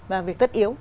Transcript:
và việc tất yếu